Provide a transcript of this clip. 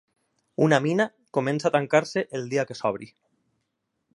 Una mina comença a tancar-se el dia que s'obri.